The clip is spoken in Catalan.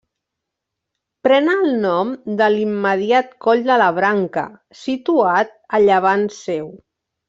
Pren el nom de l'immediat Coll de la Branca, situat a llevant seu.